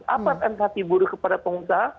apa empati buruh kepada pengusaha